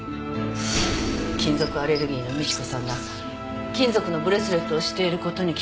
金属アレルギーの美知子さんが金属のブレスレットをしていることに気付き